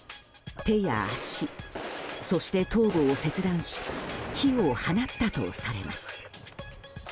手や足、そして頭部を切断し火を放ったとされます。